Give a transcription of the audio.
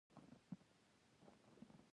د انجینر پوهه په دوه ډوله لاس ته راځي.